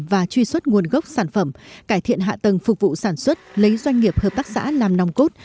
và truy xuất nguồn gốc sản phẩm cải thiện hạ tầng phục vụ sản xuất lấy doanh nghiệp hợp tác xã làm nòng cốt